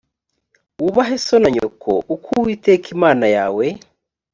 wubahe so na nyoko uko uwiteka imana yawe